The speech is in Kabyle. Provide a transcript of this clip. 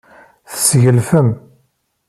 Tesgelfem.